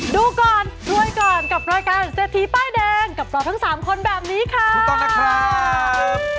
ดูก่อนรวยก่อนกับรายการเศรษฐีป้ายแดงกับเราทั้งสามคนแบบนี้ค่ะถูกต้องนะครับ